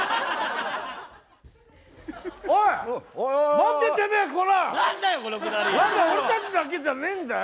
まだ俺たちだけじゃねえんだよ！